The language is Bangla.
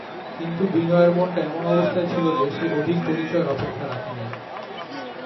কিন্তু বিনয়ের মনটা এমন অবস্থায় ছিল যে, সে অধিক পরিচয়ের অপেক্ষা রাখে নাই।